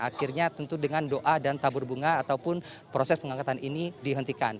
akhirnya tentu dengan doa dan tabur bunga ataupun proses pengangkatan ini dihentikan